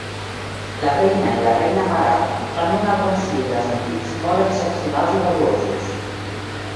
La Reina i la Reina Mare van donar alguns llibres antics molts excepcionals i valuosos.